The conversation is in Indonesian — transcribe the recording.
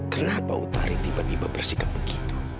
kenapa utari tiba tiba bersikap begitu